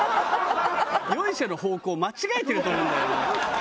ヨイショの方向間違えてると思うんだよな。